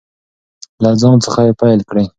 له ځان څخه یې پیل کړئ.